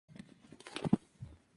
Él le pregunta si abrió el paquete.